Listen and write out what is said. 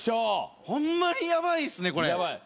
ホンマにヤバいっすねこれ。